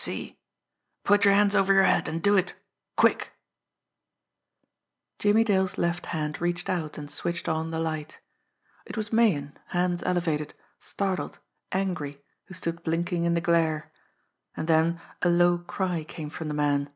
See? Put yer hands over yer head, an' do it quick!" Jimmie Dale's left hand reached out and switched on the light. It was Meighan, hands elevated, startled, angry, who stood blinking in the glare and then a low cry came from the man.